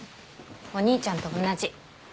お兄ちゃんと同じ。